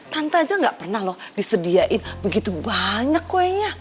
tante aja gak pernah loh disediain begitu banyak kuenya